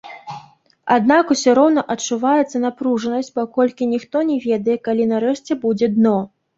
Аднак усё роўна адчуваецца напружанасць, паколькі ніхто не ведае, калі нарэшце будзе дно.